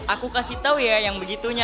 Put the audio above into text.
aku kasih tau ya yang begitunya